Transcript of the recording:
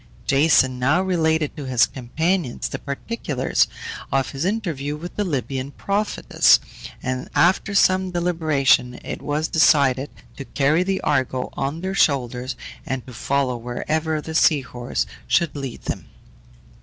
Jason now related to his companions the particulars of his interview with the Libyan prophetess, and after some deliberation it was decided to carry the Argo on their shoulders, and to follow wherever the sea horse should lead them.